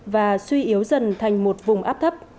và suy yếu dần thành một vùng áp thấp